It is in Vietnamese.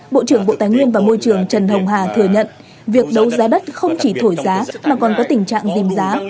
bộ trưởng bộ tài nguyên và môi trường trần hồng hà thừa nhận việc đấu giá đất không chỉ thổi giá mà còn có tình trạng dềm giá